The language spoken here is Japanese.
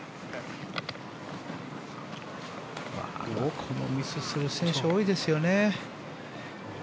このミスする選手多いですよね。